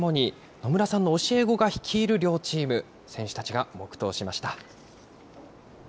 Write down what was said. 野村さんの教え子が率いる両チーム、選手たちが黙とうしました。